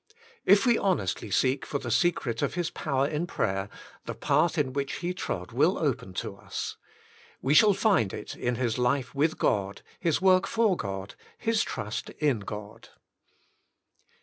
If we honestly seek for the secret of his power in prayer the path in which he trod will open to us. We shall find it in his life with God, his work for God, his trust in God.